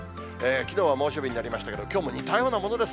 きのうは猛暑日になりましたけれども、きょうも似たようなものです。